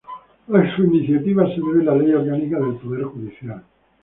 A su iniciativa se debe la Ley Orgánica del Poder Judicial.